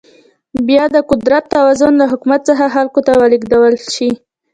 باید د قدرت توازن له حکومت څخه خلکو ته ولیږدول شي.